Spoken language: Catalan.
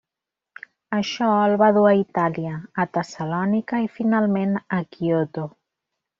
Això el va dur a Itàlia, a Tessalònica i finalment a Kyoto.